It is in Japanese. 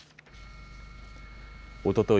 おととい